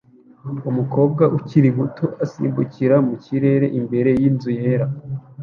Umukobwa ukiri muto asimbukira mu kirere imbere yinzu yera